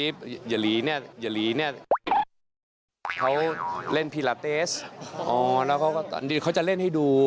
พี่เจ้าเล่นผีเหล่าเทสแล้วเค้าเล่นเขาให้ดู